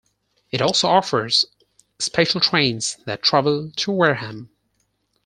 It also offers special trains that travel to Wareham.